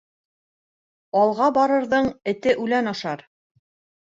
Алға барырҙың эте үлән ашар.